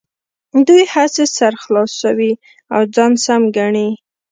دوی هسې سر خلاصوي او ځان سم ګڼي.